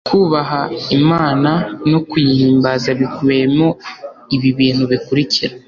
kubaha imana no kuyihimbaza bikubiyemo ibibintu bikurikira